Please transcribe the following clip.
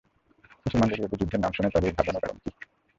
মুসলমানদের বিরুদ্ধে যুদ্ধের নাম শুনে তার এই ঘাবড়ানোর কারণ কি?